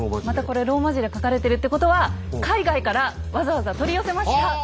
またこれローマ字で書かれてるってことは海外からわざわざ取り寄せました。